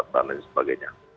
dan lain sebagainya